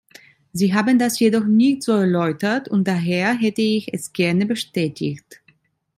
Sie haben das jedoch nicht so erläutert und daher hätte ich es gerne bestätigt.